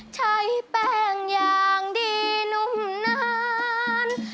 ใช้แป้งอย่างดีนุ่มนาน